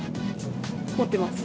持ってます。